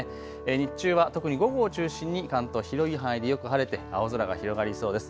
日中は特に午後を中心に関東、広い範囲でよく晴れて青空が広がりそうです。